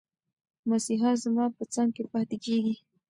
مسیحا زما په څنګ کې پاتې کېږي.